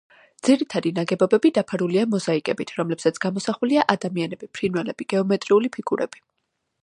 ძირითადი ნაგებობები დაფარულია მოზაიკებით, რომლებზეც გამოსახულია ადამიანები, ფრინველები, გეომეტრიული ფიგურები.